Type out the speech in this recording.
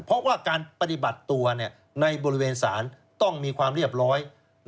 เพราะว่าการปฏิบัติตัวในบริเวณศาลต้องมีความเรียบร้อย